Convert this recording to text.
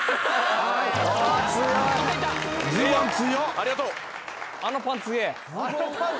ありがとう。